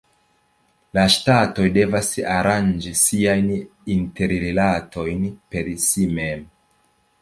La ŝtatoj devas aranĝi siajn interrilatojn per si mem.